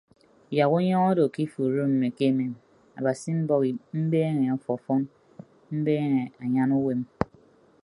Yak unyọñọ odo ke ifuuro mme ke emem abasi mbọk mbeeñe ọfọfọn mbeeñe anyan uwem.